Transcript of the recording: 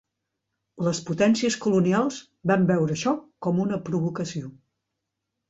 Les potències colonials van veure això com una "provocació".